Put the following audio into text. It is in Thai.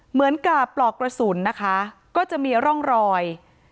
เหมือนกับปลอกกระสุนนะคะก็จะมีร่องรอย